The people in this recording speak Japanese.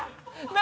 何？